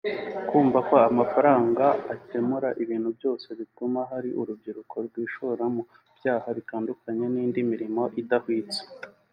Kumva ko amafaranga akemura ibintu byose bituma hari urubyiruko rwishora mu byaha bitandukanye n’indi mirimo idahwitse